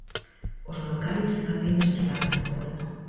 Os locais apenas chegaron ao gol.